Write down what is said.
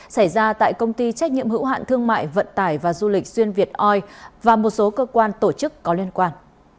xảy ra tại công ty trách nhiệm hữu hạn thương mại vận tải và du lịch xuyên việt oi và một số cơ quan tổ chức có liên quan